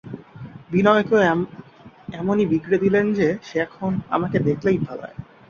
বিনয়কেও এমনি বিগড়ে দিলেন যে, সে এখন আমাকে দেখলেই পালায়।